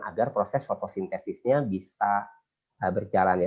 agar proses fotosintesisnya bisa berjalannya